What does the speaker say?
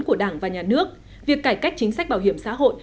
của đảng và nhà nước việc cải cách chính sách bảo hiểm xã hội